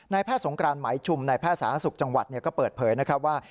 แพทย์สงกรานไหมชุมในแพทย์สาธารณสุขจังหวัดก็เปิดเผยนะครับว่า